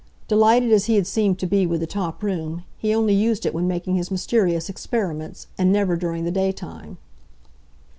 Delighted as he had seemed to be with the top room, he only used it when making his mysterious experiments, and never during the day time.